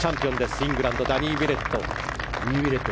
イングランドのダニー・ウィレット。